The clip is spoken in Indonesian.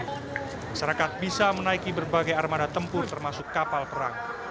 masyarakat bisa menaiki berbagai armada tempur termasuk kapal perang